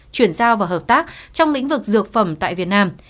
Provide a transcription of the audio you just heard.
chuyển giao và hợp tác trong lĩnh vực dược phẩm tại việt nam